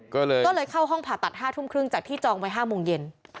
ก็เลยเข้าห้องผ่าตัด๕ทุ่มครึ่งจากที่จองไว้๕โมงเย็น